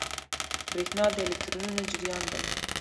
برېښنا د الکترونونو جریان دی.